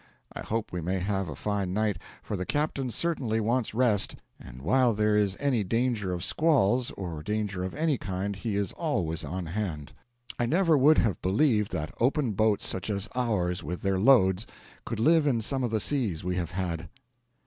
I hope we may have a fine night, for the captain certainly wants rest, and while there is any danger of squalls, or danger of any kind, he is always on hand. I never would have believed that open boats such as ours, with their loads, could live in some of the seas we have had.